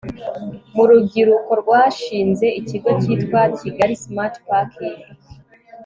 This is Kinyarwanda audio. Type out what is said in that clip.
mu rubyiruko rwashinze ikigo cyitwa kigali smart parking